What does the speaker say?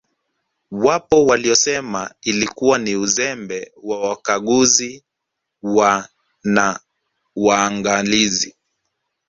Wapo waliosema ilikuwa ni Uzembe wa Wakaguzi wa na Waangalizi